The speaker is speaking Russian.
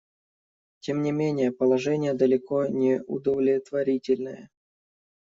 Тем не менее положение далеко не удовлетворительное.